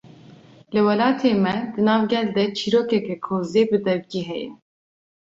Li welatê me, di nav gel de çîrokeke kozê bi devkî heye